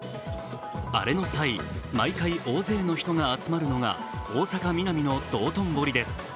アレの際、毎回大勢の人が集まるのが大阪・ミナミの道頓堀です。